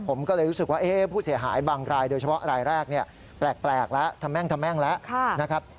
ผมก็เลยรู้สึกว่าผู้เสียหายบางรายโดยเฉพาะรายแรกเนี่ยแปลกแล้วทำแม่งทะแม่งแล้วนะครับ